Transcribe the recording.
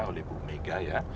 oleh bu mega ya